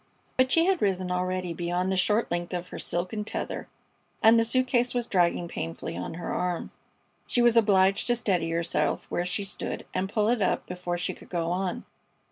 But she had risen already beyond the short length of her silken tether, and the suit case was dragging painfully on her arm. She was obliged to steady herself where she stood and pull it up before she could go on.